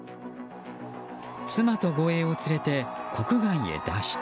妻と護衛を連れて国外へ脱出。